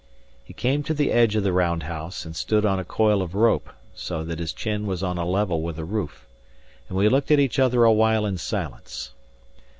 He came to the edge of the round house, and stood on a coil of rope, so that his chin was on a level with the roof; and we looked at each other awhile in silence.